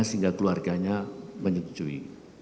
sehingga keluarganya menyetujui